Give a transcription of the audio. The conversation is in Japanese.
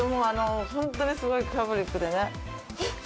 本当にすごいファブリックでね。